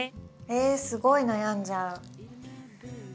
えすごい悩んじゃう。